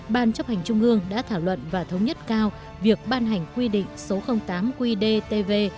ban chấp hành trung ương đã thảo luận và thống nhất cao việc ban hành quy định số tám qdtv